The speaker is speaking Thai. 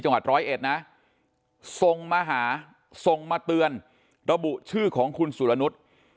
จังหวัดร้อยเอ็ดนะส่งมาหาส่งมาเตือนระบุชื่อของคุณสุรนุษย์